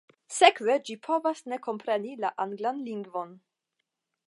Sekve ĝi povas ne kompreni la anglan lingvon.